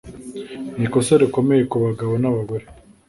Ni ikosa rikomeye ku bagabo nabagore